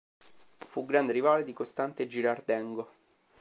Fu grande rivale di Costante Girardengo.